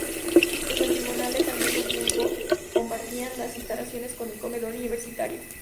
Los tribunales, al mismo tiempo, compartían las instalaciones con el Comedor Universitario.